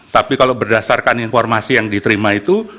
tapi kalau berdasarkan informasi yang diterima itu